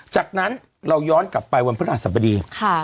จากนั้นเราย้อนกลับไปวันพระราชสมดี